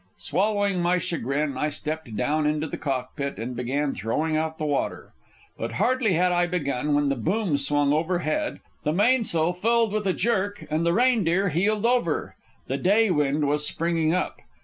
Swallowing my chagrin, I stepped down into the cockpit and began throwing out the water. But hardly had I begun, when the boom swung overhead, the mainsail filled with a jerk, and the Reindeer heeled over. The day wind was springing up.